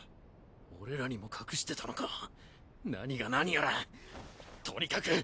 俺らにも隠してたのか何が何やらとにかく！